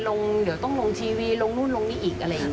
ยังมีเดี๋ยวต้องลงทีวีลงนู้นลงนี้หรืออะไรอีก